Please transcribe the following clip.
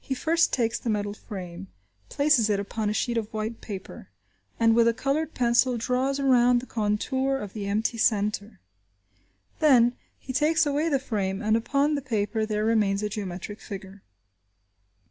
He first takes the metal frame, places it upon a sheet of white paper, and with a coloured pencil draws around the contour of the empty centre. Then, he takes away the frame, and upon the paper there remains a geometric figure.